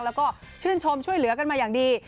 แล้วก็ชื่นชมช่วยเหลือกันมาอย่างดี